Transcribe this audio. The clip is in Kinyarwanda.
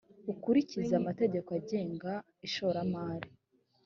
ukurikize amategeko agenga ishoramari.